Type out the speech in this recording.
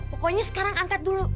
pokoknya sekarang angkat dulu